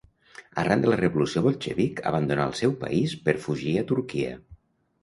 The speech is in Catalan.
Arran de la revolució bolxevic abandonà el seu país per fugir a Turquia.